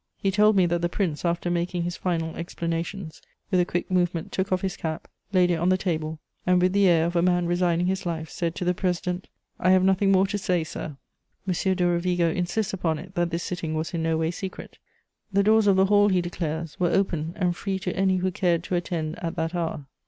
He told me that the Prince, after making his final explanations, with a quick movement took off his cap, laid it on the table and, with the air of a man resigning his life, said to the president: [Sidenote: His pitiful defense.] "I have nothing more to say, sir." M. de Rovigo insists upon it that this sitting was in no way secret: "The doors of the hall," he declares, "were open and free to any who cared to attend _at that hour.